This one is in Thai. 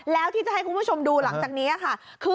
แล้วที่จะให้คุณผู้ชมดูหลังจากนี้ค่ะ